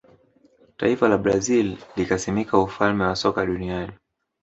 taifa la brazil likasimika ufalme wa soka duniani